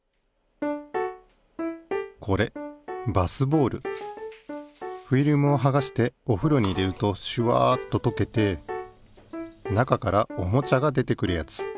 これフィルムをはがしてお風呂に入れるとシュワッと溶けて中からおもちゃが出てくるやつ。